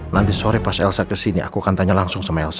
nanti sore pas elsa kesini aku akan tanya langsung sama elsa